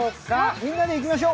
みんなで行きましょう。